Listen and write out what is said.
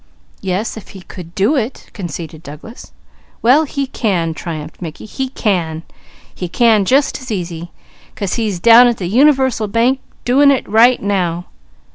"Yes, if he could do it," conceded Douglas. "Well he can!" triumphed Mickey. "He can just as easy, 'cause he's down at the Universal Bank doing it right now!"